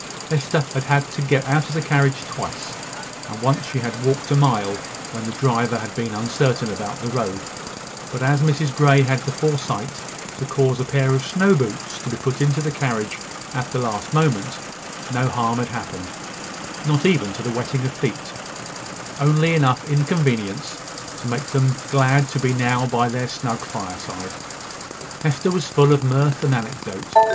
Hester had had to get out of the carriage twice; and once she had walked a mile, when the driver had been uncertain about the road; but as Mrs Grey had had the foresight to cause a pair of snow boots to be put into the carriage at the last moment, no harm had happened, not even to the wetting of feet; only enough inconvenience to make them glad to be now by their snug fireside. Hester was full of mirth and anecdote.